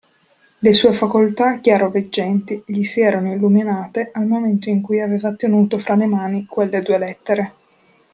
Le sue facoltà chiaroveggenti gli si erano illuminate al momento in cui aveva tenuto fra le mani quelle due lettere.